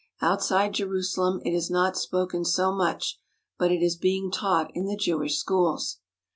Outside Jerusalem it is not spoken so much, but it is being taught in the Jewish schools.